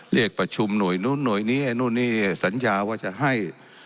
เรียกประชุมหน่วยนู้นหน่วยนี้ไอ้นู่นนี่สัญญาว่าจะให้